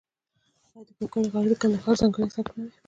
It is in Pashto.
آیا د کاکړۍ غاړې د کندهار ځانګړی سبک نه دی؟